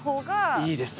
いいです。